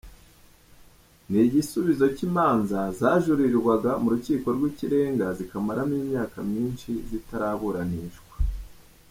Ni igisubizo cy’imanza zajuririrwaga mu Rukiko rw’Ikirenga zikamaramo imyaka myinshi zitaraburanishwa.